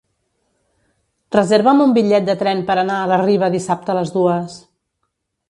Reserva'm un bitllet de tren per anar a la Riba dissabte a les dues.